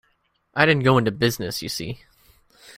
I didn't go into business, you see.